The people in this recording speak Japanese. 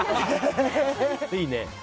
いいね。